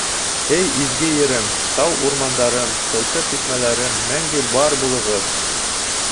— Эй, изге ерем, тау-урмандарым, сылтыр шишмәләрем, мәңге бар булығыҙ!